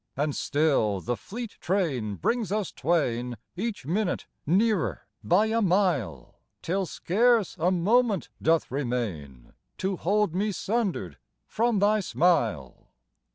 And still the fleet train brings us twain Each minute nearer by a mile, Till scarce a moment doth remain To hold me sundered from thy smile.